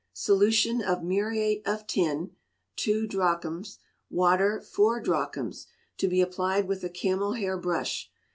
Solution of muriate of tin, two drachms; water, four drachms. To be applied with a camel hair brush.